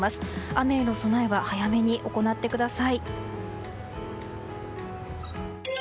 雨への備えは早目に行ってください。